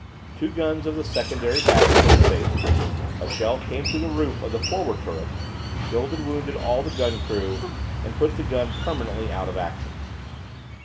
Two guns of the secondary battery were disabled. A shell came through the roof of the forward turret, killed and wounded all the gun crew, and put the gun permanently out of action.